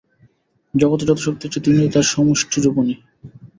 জগতে যত শক্তি আছে, তিনিই তার সমষ্টিরূপিণী।